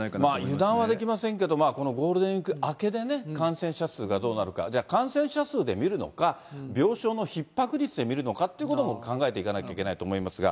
油断はできませんけど、このゴールデンウィーク明けで感染者数がどうなるか、じゃあ、感染者数で見るのか、病床のひっ迫率で見るのかということも考えていかないといけないと思いますが。